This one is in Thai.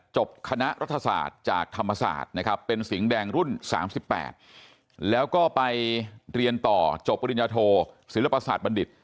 จบคณะรัฐศาสตร์จากธรรมศาสตร์นะครับเป็นสิงห์แดงรุ่น๓๘แล้วก็ไปเรียนต่อจบปริญญาโทศิลปศาสตร์บัณฑิต